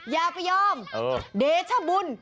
อย่าไปยอมเดชบุญ